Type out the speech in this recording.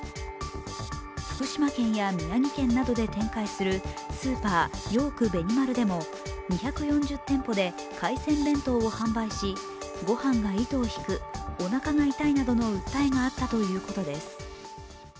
福島県や宮城県などで展開するスーパー・ヨークベニマルでも２４０店舗で海鮮弁当を販売し、ごはんが糸を引く、おなかが痛いなどの訴えがあったということです。